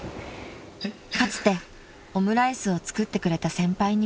［かつてオムライスを作ってくれた先輩にも］